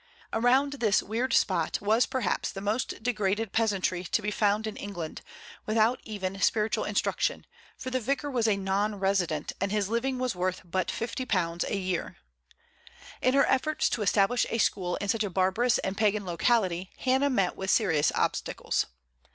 Around this weird spot was perhaps the most degraded peasantry to be found in England, without even spiritual instruction, for the vicar was a non resident, and his living was worth but £50 a year. In her efforts to establish a school in such a barbarous and pagan locality Hannah met with serious obstacles.